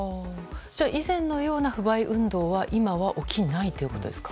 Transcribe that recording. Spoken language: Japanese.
じゃあ以前のような不買運動は今は起きないということですか？